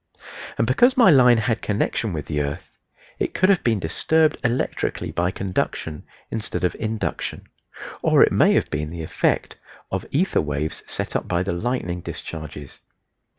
And because my line had connection with the earth it could have been disturbed electrically by conduction instead of induction; or it may have been the effect of ether waves set up by the lightning discharges.